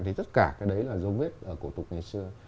thì tất cả cái đấy là dấu vết của tục ngày xưa